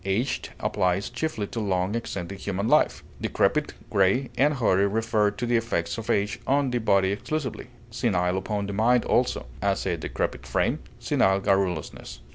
Aged applies chiefly to long extended human life. Decrepit, gray, and hoary refer to the effects of age on the body exclusively; senile upon the mind also; as, a decrepit frame, senile garrulousness.